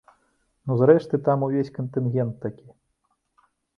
Ну, зрэшты, там увесь кантынгент такі.